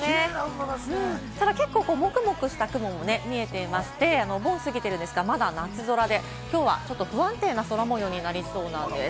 こちら結構、もくもくした雲も見えていまして、お盆過ぎてるんですけれども、まだ夏空で、きょうは不安定な空模様になりそうなんです。